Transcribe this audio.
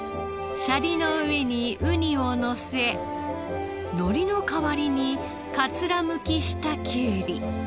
シャリの上にウニをのせのりの代わりに桂むきしたきゅうり。